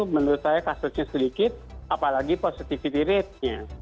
menurut saya kasusnya sedikit apalagi positivity ratenya